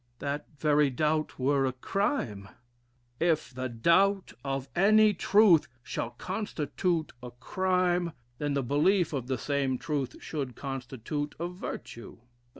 "That very doubt were a crime." "If the doubt of any truth shall constitute a crime, then the belief of the same truth should constitute a virtue."